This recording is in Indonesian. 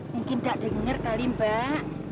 mungkin gak denger kali mbak